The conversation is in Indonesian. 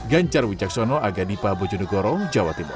ganjar wijaksono aga nipah bojo nagoro jawa timur